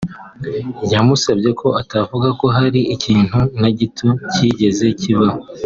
yamusabye ko atavuga ko hari ikintu na gito cyigeze kibaho